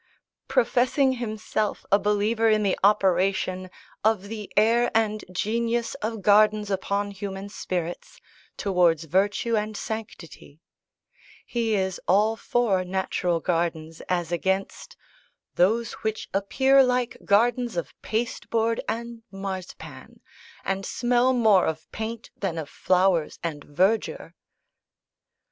Professing himself a believer in the operation "of the air and genius of gardens upon human spirits, towards virtue and sanctity," he is all for natural gardens as against "those which appear like gardens of paste board and march pane, and smell more of paint than of flowers and verdure."